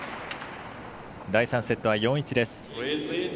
第３セットは４−１です。